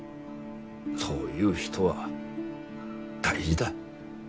そういう人は大事だ。